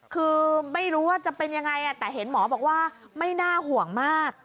คือไม่รู้ว่าจะเป็นยังไงแต่เห็นหมอบอกว่าไม่น่าห่วงมาก